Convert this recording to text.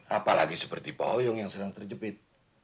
apalagi seperti pak hoyong yang sering terjepit